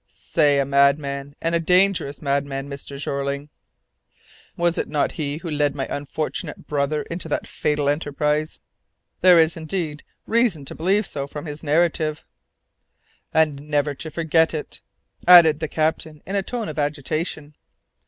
"Say a madman, and a dangerous madman, Mr. Jeorling. Was it not he who led my unfortunate brother into that fatal enterprise?" "There is, indeed, reason to believe so from his narrative." "And never to forget it!" added the captain in a tone of agitation.